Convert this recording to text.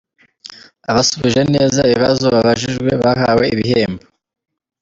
Abasubije neza ibibazo babajijwe bahawe ibihembo.